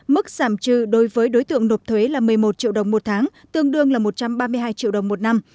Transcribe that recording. mức giảm trừ đối với đối tượng nộp thuế là một mươi một triệu đồng một tháng tương đương là một trăm ba mươi hai triệu đồng một năm